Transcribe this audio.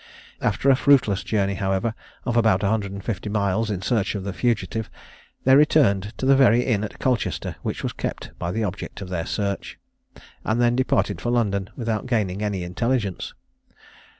After a fruitless journey, however, of about a hundred and fifty miles in search of the fugitive, they returned to the very inn at Colchester which was kept by the object of their search, and then departed for London, without gaining any intelligence.